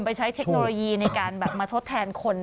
ไปใช้เทคโนโลยีในการแบบมาทดแทนคน